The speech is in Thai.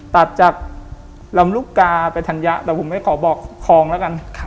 ตัดจากลำลูกกาไปธัญญะแต่ผมไม่ขอบอกคลองแล้วกัน